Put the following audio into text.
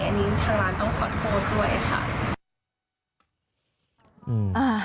อันนี้ทางร้านต้องขอโทษด้วยค่ะ